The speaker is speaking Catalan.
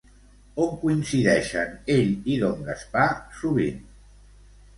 On coincideixen, ell i don Gaspar, sovint?